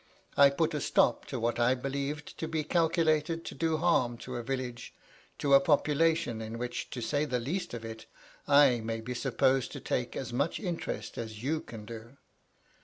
I put a stop to what I believed to be calculated to do harm to a village, to a population in which, to say the least of it, I may be supposed to take as much interest as you can do.